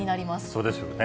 そうですよね。